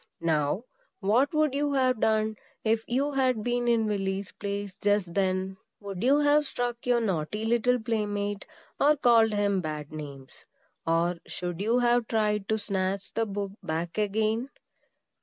Now, what would you have done, if you had been in Willy's place just then? Would you have struck your naughty little playmate, or called him bad names? or should you have tried to snatch the book back again?